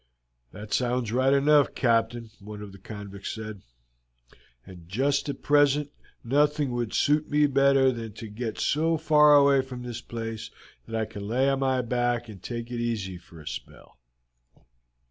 "That sounds right enough, Captain," one of the convicts said, "and just at present nothing would suit me better than to get so far away from this place that I can lay on my back and take it easy for a spell."